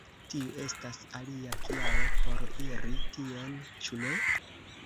Tiu estas alia kialo por iri tien, ĉu ne?